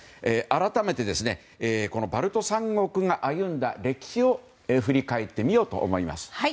改めてバルト三国が歩んだ歴史を振り返ってみようと思います。